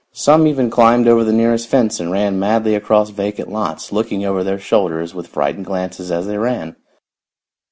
Some even climbed over the nearest fence and ran madly across vacant lots, looking over their shoulders with frightened glances as they ran.